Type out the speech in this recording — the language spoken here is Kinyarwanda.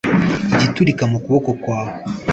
Igiturika mu kuboko kwawe